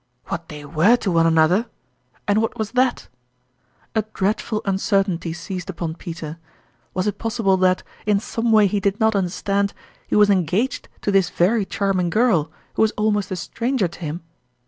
Wliat they were to one another ! And what was that? A dreadful uncertainty seized upon Peter. Was it possible that, in some way he did not understand, he was en gaged to this very charming girl, who was almost a stranger to him?